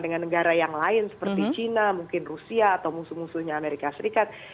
dengan negara yang lain seperti china mungkin rusia atau musuh musuhnya amerika serikat